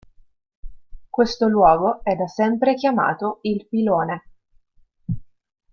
Questo luogo è da sempre chiamato “il Pilone”.